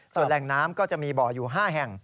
ส่วนแหล่งน้ำก็จะมีบ่ออยู่๕แห่ง